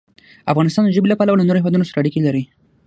افغانستان د ژبې له پلوه له نورو هېوادونو سره اړیکې لري.